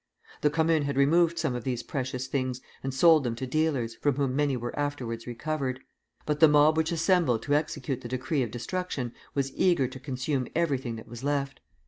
The Commune had removed some of these precious things, and sold them to dealers, from whom many were afterwards recovered; but the mob which assembled to execute the decree of destruction, was eager to consume everything that was left.